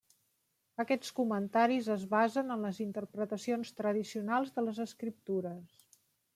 Aquests comentaris es basen en les interpretacions tradicionals de les escriptures.